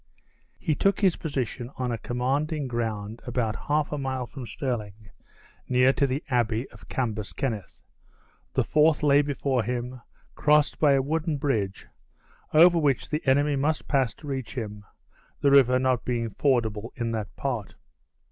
He took his position on a commanding ground about half a mile from Stirling, near to the Abbey of Cambus Kenneth. The Forth lay before him, crossed by a wooden bridge, over which the enemy must pass to reach him, the river not being fordable in that part.